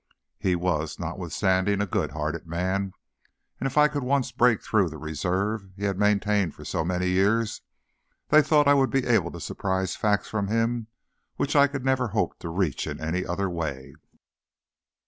He was, notwithstanding, a good hearted man, and if I could once break through the reserve he had maintained for so many years, they thought I would be able to surprise facts from him which I could never hope to reach in any other way.